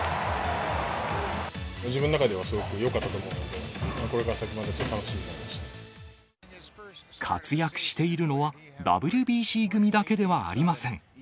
自分の中ではすごくよかったと思うので、これから先、活躍しているのは、ＷＢＣ組だけではありません。